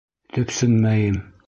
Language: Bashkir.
Төпсөнмәйем...